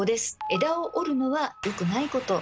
枝を折るのはよくないこと。